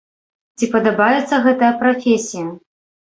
Ці падабаецца гэтая прафесія?